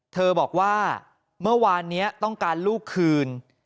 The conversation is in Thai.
เธอบอกว่าเมื่อวานนี้ต้องการลูกคืน